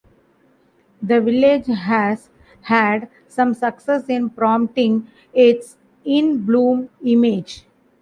The village has had some success in promoting its "in bloom" image.